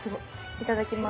いただきます。